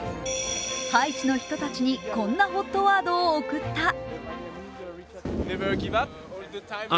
ハイチの人たちにこんなＨＯＴワードを贈った。